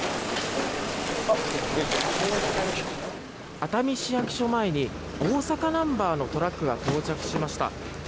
熱海市役所前に大阪ナンバーのトラックが到着しました。